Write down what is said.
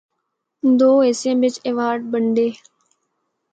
دو حصیاں بچ ایواڈ بنڈے۔